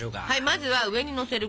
まずは上にのせる